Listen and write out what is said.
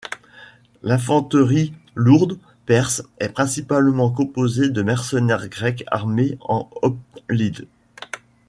L'infanterie lourde perse est principalement composée de mercenaires grecs armés en hoplites.